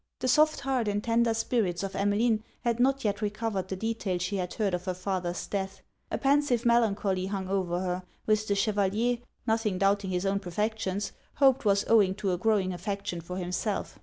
The soft heart and tender spirits of Emmeline had not yet recovered the detail she had heard of her father's death. A pensive melancholy hung over her; which the Chevalier, nothing doubting his own perfections, hoped was owing to a growing affection for himself.